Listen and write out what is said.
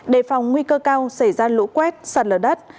đề phòng nguy cơ cao xảy ra lũ quét sạt lở đất